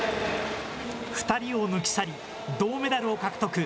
２人を抜き去り、銅メダルを獲得。